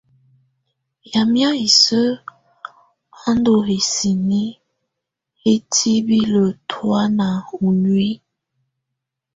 Yamɛ̀á isǝ́ á ndù hisini hitibilǝ tɔ̀ána ù nuiyi.